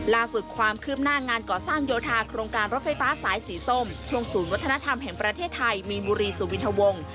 ล่าสุดความคืบหน้างานก่อสร้างโยธาโครงการรถไฟฟ้าสายสีส้มช่วงศูนย์วัฒนธรรมแห่งประเทศไทยมีนบุรีสุวินทวงศ์